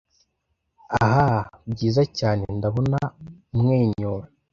ah byiza cyane ndabona umwenyura